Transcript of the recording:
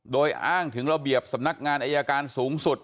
โดยอ้างถึงระเบียบสำนักงานอายการสูงสุด